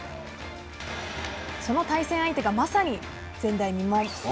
その対戦相手がまさに前代未聞。